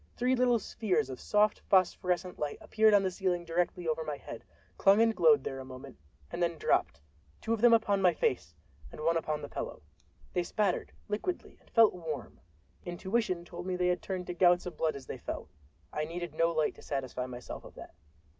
Three little spheres of soft phosphorescent light appeared on the ceiling directly over my head, clung and glowed there a moment, and then dropped—two of them upon my face and one upon the pillow. They spattered, liquidly, and felt warm. Intuition told me they had turned to gouts of blood as they fell—I needed no light to satisfy myself of that.